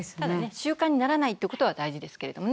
習慣にならないってことは大事ですけれどもね。